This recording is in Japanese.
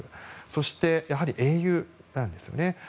そしてやはり英雄なんですよね。